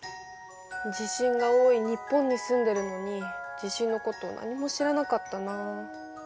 地震が多い日本に住んでるのに地震のこと何も知らなかったな。